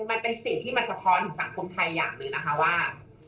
มันเป็นสิ่งที่มันสะท้อนถึงสังคมไทยอย่างหนึ่งนะคะว่า